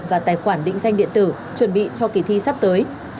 và tài khoản định danh điện tử chuẩn bị cho kỳ thi sắp tới